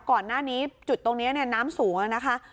ก่อนหน้านี้จุดตรงนี้น้ำสูงแล้วนะคะ